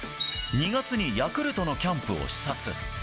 ２月にヤクルトのキャンプを視察。